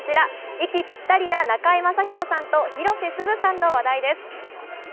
息ぴったりな中居正広さんと広瀬すずさんの話題です。